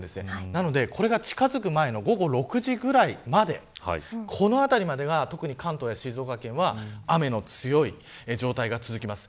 なので、これが近づく前の午後６時ぐらいまでこのあたりまでが特に関東や静岡県は雨の強い状態が続きます。